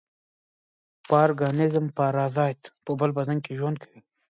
پارګانېزم پارازیت په بل بدن کې ژوند کوي.